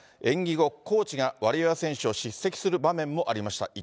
演技後、コーチがワリエワ選手を叱責する場面もありました。